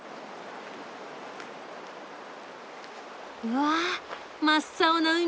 わあ真っ青な海。